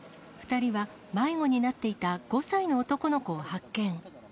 ２人は、迷子になっていた５歳の男の子を発見。